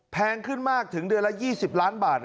แพงขึ้นมากถึงเดือนละ๒๐ล้านบาท